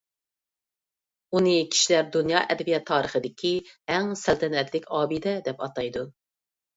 ئۇنى كىشىلەر دۇنيا ئەدەبىيات تارىخىدىكى «ئەڭ سەلتەنەتلىك ئابىدە» دەپ ئاتايدۇ.